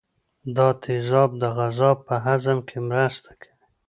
دا تیزاب د غذا په هضم کې مرسته کوي.